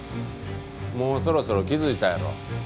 もうそろそろ気づいたやろ？